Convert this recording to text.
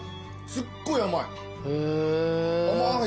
すっごい甘い。